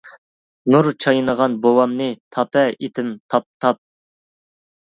نۇر چاينىغان بوۋامنى تاپە ئېتىم تاپ-تاپ.